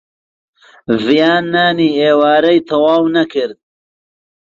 ڤیان نانی ئێوارەی تەواو نەکرد.